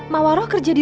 mawaroh kerja disini